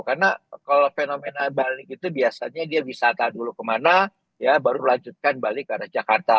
karena kalau fenomena balik itu biasanya dia wisata dulu kemana ya baru melanjutkan balik ke arah jakarta